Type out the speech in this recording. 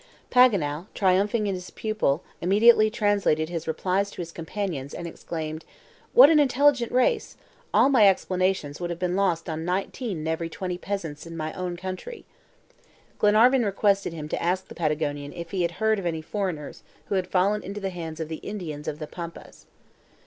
Paganel, triumphing in his pupil, immediately translated his replies to his companions, and exclaimed: "What an intelligent race! All my explanations would have been lost on nineteen in every twenty of the peasants in my own country." Glenarvan requested him to ask the Patagonian if he had heard of any foreigners who had fallen into the hands of the Indians of the Pampas.